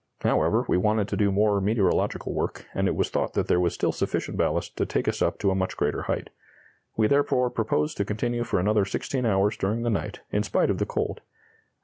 However, we wanted to do more meteorological work, and it was thought that there was still sufficient ballast to take us up to a much greater height. We therefore proposed to continue for another sixteen hours during the night, in spite of the cold....